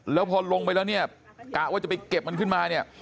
แล้วพอลงไปแล้วเนี่ยกะว่าจะไปเก็บมันขึ้นมาเนี่ย